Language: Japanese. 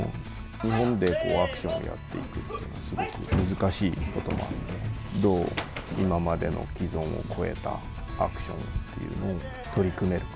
日本でアクションをやっていくっていうのは、すごく難しいこともあって、どう今までの既存を超えたアクションっていうのに取り組めるか。